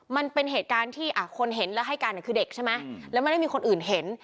มันเป็นเหตุการณ์ที่คนเห็นแล้วให้การคือเด็กใช่ไหมแล้วไม่ได้มีคนอื่นเห็น